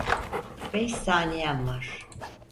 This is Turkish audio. Beş saniyen var.